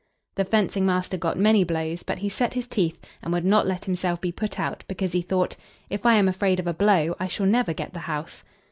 The fencing master got many blows, but he set his teeth, and would not let himself be put out, because he thought, "If I am afraid of a blow, I shall never get the house."